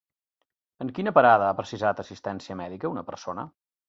En quina parada ha precisat assistència mèdica una persona?